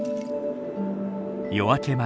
夜明け前。